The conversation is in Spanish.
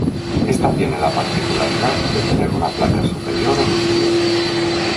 Esta tiene la particularidad de tener una placa superior e inferior.